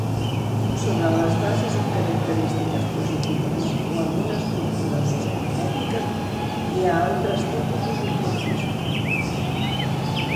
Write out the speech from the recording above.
Sobre les bases amb característiques positives o amb una estructura més aritmètica, hi ha altres tipus d'isomorfisme.